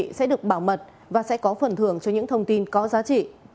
quý vị sẽ được bảo mật và sẽ có phần thưởng cho những thông tin có giá trị